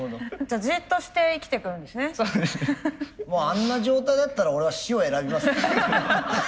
あんな状態だったら俺は死を選びますね。